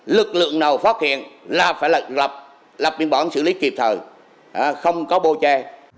lực lượng nào phát hiện là phải lập biên bản xử lý kịp thời không có bô tre